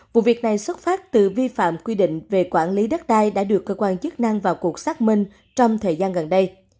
vụ việc này xuất phát từ vi phạm quy định về quản lý đất đai đã được cơ quan chức năng vào cuộc xác minh trong thời gian gần đây